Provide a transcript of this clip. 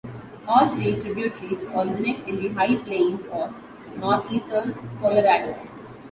All three tributaries originate in the High Plains of northeastern Colorado.